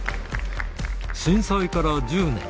震災から１０年。